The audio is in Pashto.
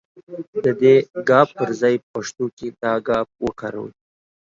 د دې ګ پر ځای پښتو کې دا گ وکاروئ.